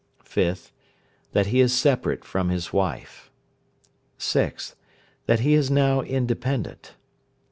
5th. That he is separate from his wife. 6th. That he is now independent.